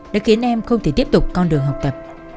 đã khiến em không thể tiếp tục con đường học tập